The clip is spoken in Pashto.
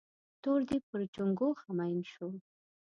تور ديب پر چونگوښه مين سو.